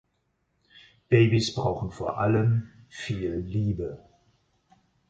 Babys brauchen vor allem viel Liebe.